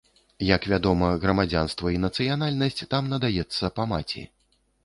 Як вядома, грамадзянства і нацыянальнасць там надаецца па маці.